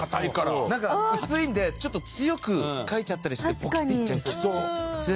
なんか薄いのでちょっと強く書いちゃったりしてポキッていっちゃいそうですね。